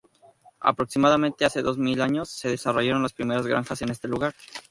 Aproximadamente hace dos mil años, se desarrollaron las primeras granjas en este lugar.